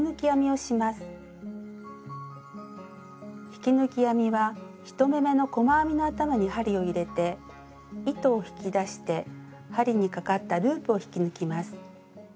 引き抜き編みは１目めの細編みの頭に針を入れて糸を引き出して針にかかったループを引き抜きます。